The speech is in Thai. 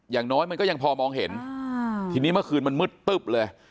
อย่างน้อยมันก็ยังพอมองเห็นทีนี้เมื่อคืนมันมืดตึ๊บเลย